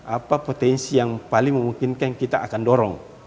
apa potensi yang paling memungkinkan kita akan dorong